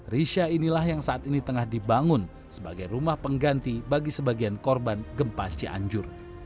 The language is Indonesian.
risha inilah yang saat ini tengah dibangun sebagai rumah pengganti bagi sebagian korban gempa cianjur